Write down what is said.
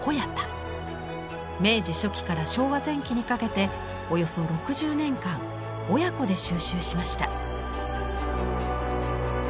明治初期から昭和前期にかけておよそ６０年間親子で収集しました。